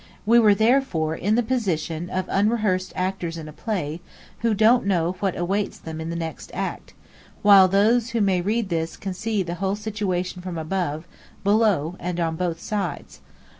We were, therefore, in the position of unrehearsed actors in a play who don't know what awaits them in the next act: while those who may read this can see the whole situation from above, below, and on both sides.